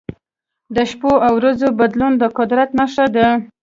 د شپو او ورځو بدلون د قدرت نښه ده.